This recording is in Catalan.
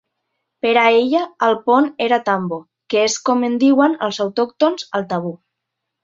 Per a ella el pont era "tambo", que és com en diuen els autòctons al tabú.